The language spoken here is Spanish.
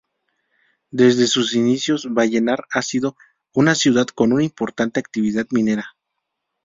Desde sus inicios Vallenar ha sido una ciudad con una importante actividad minera.